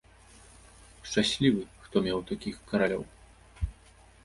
Шчаслівы, хто меў такіх каралёў!